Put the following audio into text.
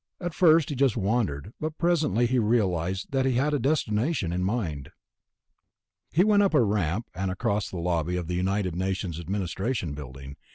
At first he just wandered, but presently he realized that he had a destination in mind. He went up a ramp and across the lobby of the United Nations Administration Building.